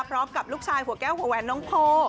พร้อมกับลูกชายหัวแก้วหัวแหวนน้องโพ